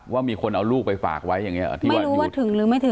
ว่ามีคนเอาลูกไปฝากไว้อย่างนี้ที่ว่าถึงหรือไม่ถึง